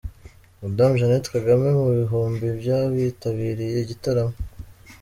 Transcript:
Madame Jeannette Kagame mu bihumbi by’abitabiriye igitaramo.